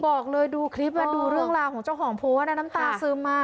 บอกเลยดูคลิปแล้วดูเรื่องราวของเจ้าของโพสต์นะน้ำตาซึมมาก